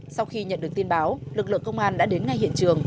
sau khi nhận được tin báo lực lượng công an đã đến ngay hiện trường